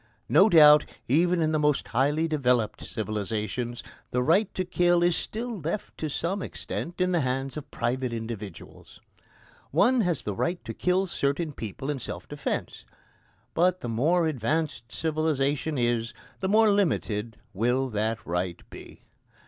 No doubt, even in the most highly developed civilisations, the right to kill is still left to some extent in the hands of private individuals. One has the right to kill certain people in self defence. But the more advanced civilisation is, the more limited will that right be.